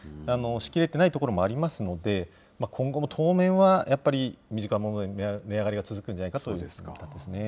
しきれてないところもありますので、今後も当面は、やっぱり身近なものの値上げが続くんじゃないかという。